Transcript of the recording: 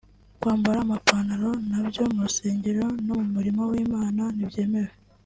Kwambara amapantaro nabyo mu rusengero no mu murimo w’Imana ntibyemewe